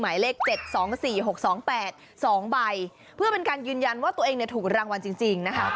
หมายเลข๗๒๔๖๒๘๒ใบเพื่อเป็นการยืนยันว่าตัวเองเนี่ยถูกรางวัลจริงนะคะ